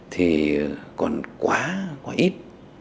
thì còn quá còn ít